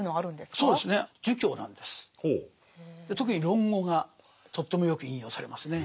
特に「論語」がとってもよく引用されますね